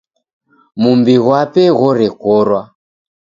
Mumbi ghwape ghorekorwa.